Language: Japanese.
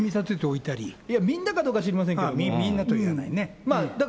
いや、みんなかどうか知りまみんなと言えないね。